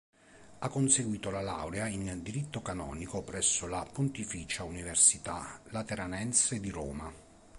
Ha conseguito la laurea in diritto canonico presso la Pontificia Università Lateranense di Roma.